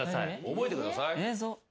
覚えてください。